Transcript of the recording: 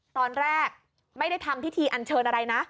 ตอนแรกไม่ได้ทำพิธีอันเชิญอะไรนะ